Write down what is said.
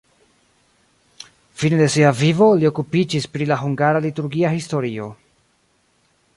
Fine de sia vivo li okupiĝis pri la hungara liturgia historio.